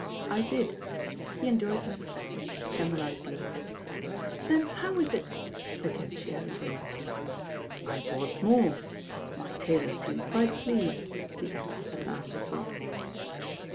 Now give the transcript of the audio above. "I did." He enjoyed Mrs. Edward's scandalised look. "Then how is it ?" again she hesitated. "I bought more. My tailor seemed quite pleased," he added as an afterthought.